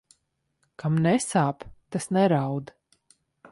Kam nesāp, tas neraud.